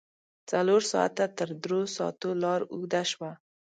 څلور ساعته تر دروساتو لار اوږده شوه.